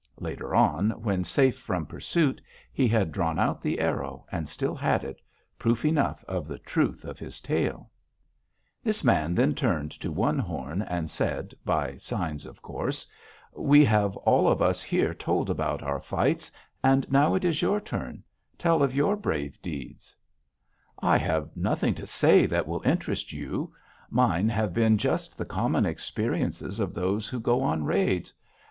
Later on, when safe from pursuit, he had drawn out the arrow, and still had it, proof enough of the truth of his tale. "This man then turned to One Horn, and said, by signs, of course, 'We have all of us here told about our fights, and now it is your turn: tell of your brave deeds.' "'I have nothing to say that will interest you; mine have been just the common experiences of those who go on raids.